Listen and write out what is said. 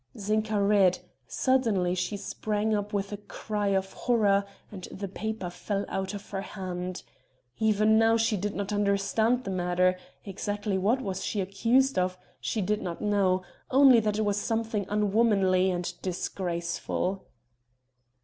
Zinka read; suddenly she sprang up with a cry of horror and the paper fell out of her hand. Even now she did not understand the matter, exactly what she was accused of she did not know; only that it was something unwomanly and disgraceful.